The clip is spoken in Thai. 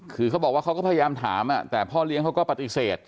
คือเขาบอกว่าเขาก็พยายามถามแต่พ่อเลี้ยงเขาก็ปฏิเสธ